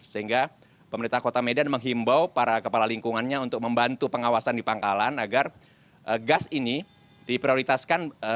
sehingga pemerintah kota medan menghimbau para kepala lingkungannya untuk membantu pengawasan di pangkalan agar gas ini diprioritaskan